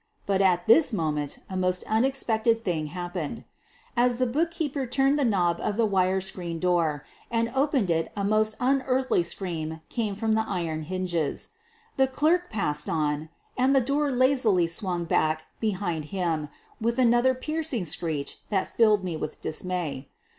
But at this moment a most unexpected thing hap pened. As the bookkeeper turned the knob of the wire screen door and opened it a most unearthly scream came from the iron hinges. The clerk passed on, and the door lazily swung back behind him with another piercing screech that filled me with dismay.